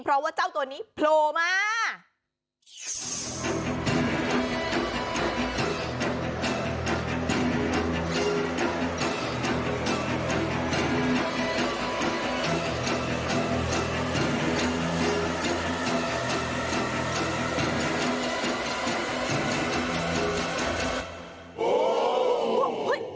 เพราะว่าเจ้าตัวนี้โผล่มา